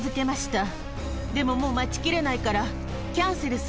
でももう待ちきれないから。